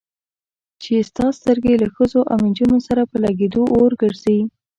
چې ستا سترګې له ښځو او نجونو سره په لګېدو اور ګرځي.